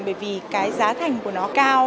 bởi vì cái giá thành của nó cao